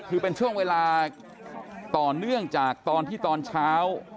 คือเป็นช่วงเวลาต่อเนื่องจากตอนที่ตอนเช้า